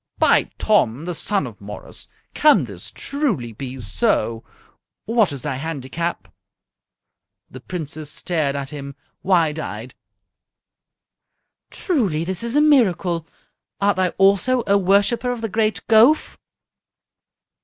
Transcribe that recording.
"By Tom, the son of Morris! Can this truly be so? What is thy handicap?" The Princess stared at him, wide eyed. "Truly this is a miracle! Art thou also a worshipper of the great Gowf?"